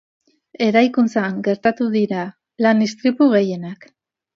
Eraikuntzan gertatu dira lan-istripu gehienak.